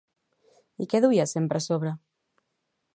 I què duia sempre a sobre?